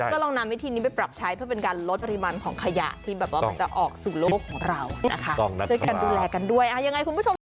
ก็ลองนำวิธีนี้ไปปรับใช้เพื่อเป็นการลดปริมาณของขยะที่แบบว่ามันจะออกสู่โลกของเรานะคะช่วยกันดูแลกันด้วยยังไงคุณผู้ชมค่ะ